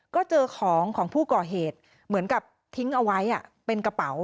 ก็เจอของของผู้ก่อเหตุเหมือนกับทิ้งเอาไว้เป็นกระเป๋า